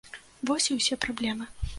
Вось і ўсе праблемы.